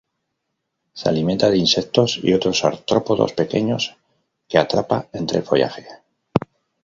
Se alimenta de insectos y otros artrópodos pequeños que atrapa entre el follaje.